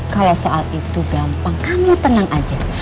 kalau soal itu gampang kamu tenang aja